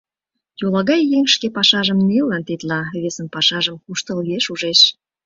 Йолагай еҥ шке пашажым нелылан тетла, весын пашам куштылгеш ужеш.